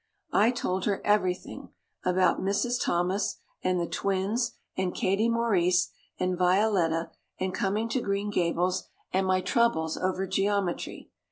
I told her everything about Mrs. Thomas and the twins and Katie Maurice and Violetta and coming to Green Gables and my troubles over geometry.